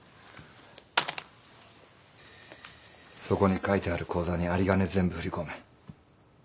そこに書いてある口座に有り金全部振り込め。